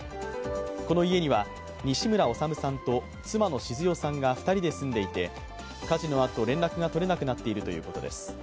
この家には西村治さんと妻の静代さんが２人で住んでいて火事のあと連絡が取れなくなっているということです。